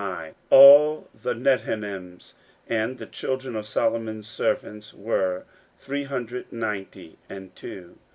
16:007:060 All the Nethinims, and the children of Solomon's servants, were three hundred ninety and two.